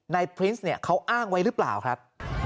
นายพรินซเขาอ้างไว้หรือเปล่าครับ